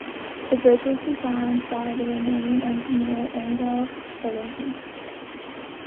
The bridge was designed by the Romanian engineer Anghel Saligny.